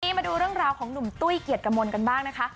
วันนี้มาดูเรื่องของหนุ่มตุ้ยเกียรติกะมลกันบ้างนะคะ